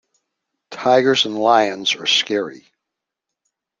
Tigers and lions are scary.